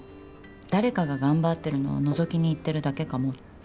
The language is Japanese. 誰かが頑張ってるのをのぞきに行ってるだけかもって。